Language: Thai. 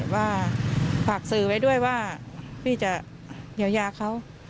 ว่าฝากสื่อไว้ด้วยว่าพี่จะเยียวยาเขา